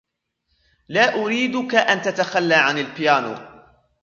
لا أريدك أن تتخلى عن البيانو.